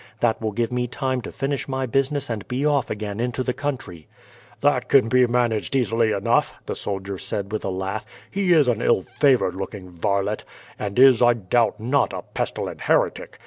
That will give me time to finish my business and be off again into the country." "That can be managed easily enough," the soldier said with a laugh. "He is an ill favoured looking varlet; and is, I doubt not, a pestilent heretic.